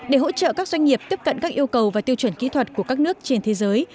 để hỗ trợ các doanh nghiệp tiếp cận các yêu cầu và tiêu chuẩn kỹ thuật của các nước trên thế giới